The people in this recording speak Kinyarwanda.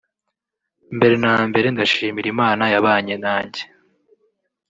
Mbere na mbere ndashimira Imana yabanye nanjye